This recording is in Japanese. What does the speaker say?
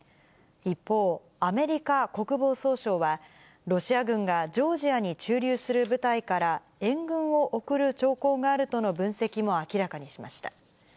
一方、アメリカ国防総省は、ロシア軍がジョージアに駐留する部隊から援軍を送る兆候があるとの分析も明らかにしました。